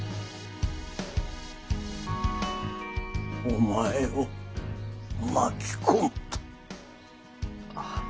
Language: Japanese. お前を巻き込むとは。